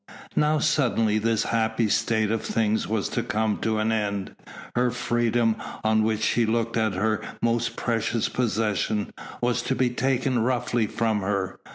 Now suddenly this happy state of things was to come to an end; her freedom, on which she looked as her most precious possession, was to be taken roughly from her.